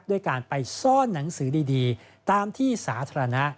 ด้วยการไปซ่อนหนังสือดีตามที่สาธารณะ